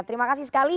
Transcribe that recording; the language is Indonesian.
terima kasih sekali